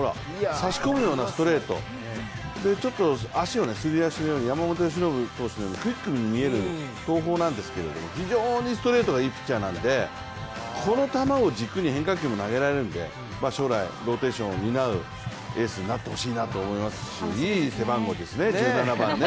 差し込むようなストレートちょっと足を、すり足のように山本由伸投手のようにクイックに見える投法なんですけれども、非常にストレートがいいピッチャーなのでこの球を軸に変化球も投げられるんで将来ローテーションを担うエースになってほしいなと思いますしいい背番号ですね、１７番ね。